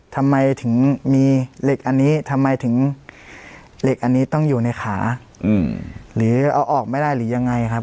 ทำไมถึงมีเหล็กอันนี้ทำไมถึงเหล็กอันนี้ต้องอยู่ในขาหรือเอาออกไม่ได้หรือยังไงครับ